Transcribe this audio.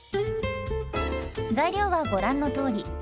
材料はご覧のとおり。